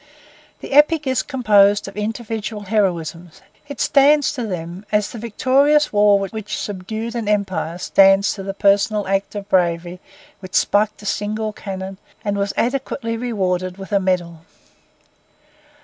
The epic is composed of individual heroisms; it stands to them as the victorious war which subdued an empire stands to the personal act of bravery which spiked a single cannon and was adequately rewarded with a medal.